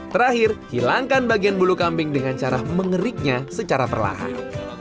terakhir hilangkan bagian bulu kambing dengan cara mengeriknya secara perlahan